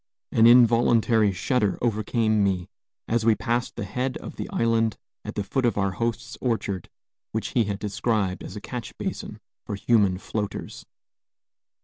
An involuntary shudder overcame me, as we passed the head of the island at the foot of our host's orchard, which he had described as a catch basin for human floaters.